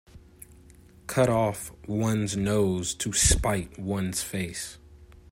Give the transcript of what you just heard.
Cut off one's nose to spite one's face.